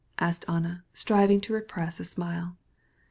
asked Anna, trying to suppress a smile.